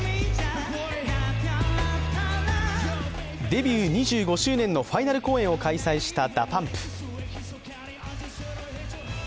デビュー２５周年のファイナル公演を開催したＤＡＰＵＭＰ。